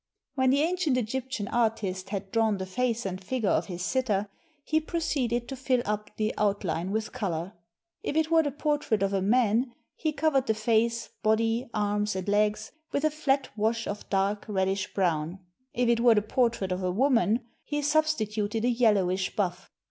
When the ancient Egyptian artist had drawn the face and figure of his sitter, he proceeded to fill up the out line with color. If it were the portrait of a man, he cov ered the face, body, arms, and legs with a flat wash of dark, reddish brown; if it were the portrait of a woman, he substituted a yellowish buff.